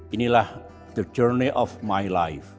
inilah perjalanan hidup saya